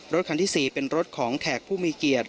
รถคันที่๔เป็นรถของแขกผู้มีเกียรติ